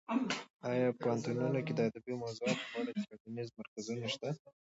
ایا په پوهنتونونو کې د ادبي موضوعاتو په اړه څېړنیز مرکزونه شته؟